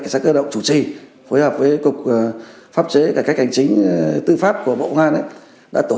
cảnh sát cơ động chủ trì phối hợp với cục pháp chế cải cách hành chính tư pháp của bộ ngoan đã tổ